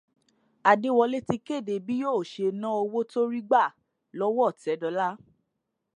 Adéwọlé ti kéde bí yóò ṣe ná owó tó rí gbà lọ́wọ́ Ọ̀tẹ́dọlá